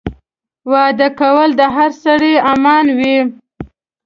واده کول د هر سړي ارمان وي